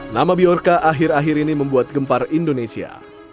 nama biorca akhir akhir ini membuat gempar indonesia